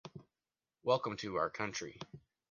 Welcome to our country.